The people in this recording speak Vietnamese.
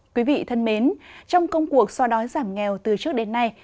quý vị thân mến trong công cuộc so đói giảm nghèo từ trước đến nay